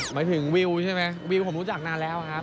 หมายถึงวิวใช่ไหมวิวผมรู้จักนานแล้วครับ